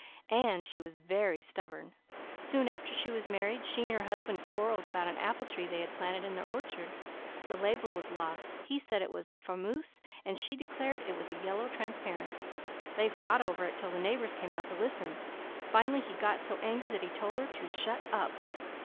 " And she was very stubborn. Soon after she was married she and her husband quarrelled about an apple tree they had planted in their orchard. The label was lost. He said it was a Fameuse and she declared it was a Yellow Transparent. They fought over it till the neighbours came out to listen. Finally he got so angry that he told her to shut up.